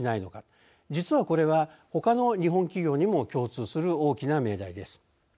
実はこれはほかの日本企業にも共通する大きな命題です。